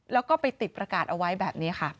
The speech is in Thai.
แล้วก็ไปติดประกาศเอาไว้แบบนี้ค่ะ